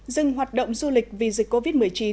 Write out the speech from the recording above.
dừng hoạt động du lịch vì dịch covid một mươi chín